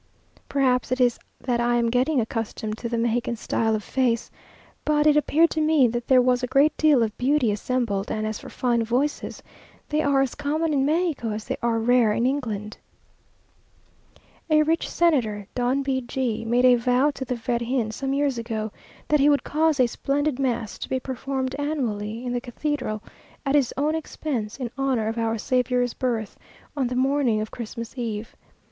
Perhaps it is that I am getting accustomed to the Mexican style of face, but it appeared to me that there was a great deal of beauty assembled; and as for fine voices, they are as common in Mexico as they are rare in England.... A rich senator, Don B G , made a vow to the Virgin some years ago, that he would cause a splendid mass to be performed annually in the cathedral, at his own expense, in honour of our Saviour's birth, on the morning of Christmas eve.